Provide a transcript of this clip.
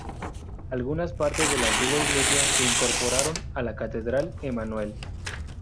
Algunas partes de la antigua iglesia se incorporaron a la Catedral Emmanuel.